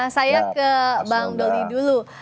saya ke bang doli dulu